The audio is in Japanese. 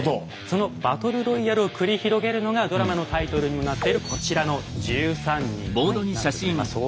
そのバトルロイヤルを繰り広げるのがドラマのタイトルにもなっているこちらの１３人なんですね。